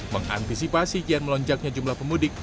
mengantisipasi kian melonjaknya jumlah pemudik